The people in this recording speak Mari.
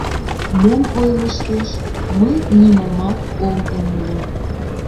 Мом ойлыштеш, мый нимомат ом умыло.